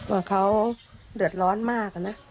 ว่าเขาเดือดร้อนมากอะนะ